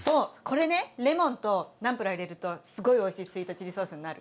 これねレモンとナンプラー入れるとすごいおいしいスイートチリソースになる。